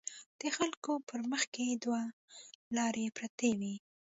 د خلکو په مخکې دوه لارې پرتې وي.